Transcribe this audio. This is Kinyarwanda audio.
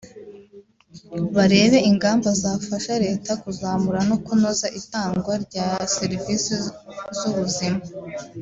barebe ingamba zafasha leta kuzamura no kunoza itangwa rya serivisi z’ubuzima